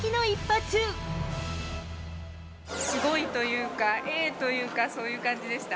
すごいというか、えー！というか、そういう感じでした。